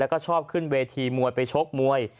แล้วก็ชอบขึ้นเวทีมวยไปชกมวย